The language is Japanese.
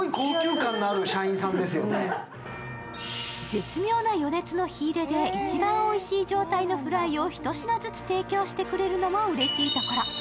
絶妙な余熱の火入れで一番おいしい状態のフライを１品ずつ提供してくれるのもうれしいところ。